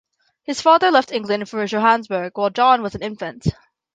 His father left England for Johannesburg while John was an infant.